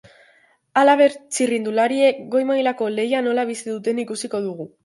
Halaber, txirrindulariek goi-mailako lehia nola bizi duten ikusiko dugu.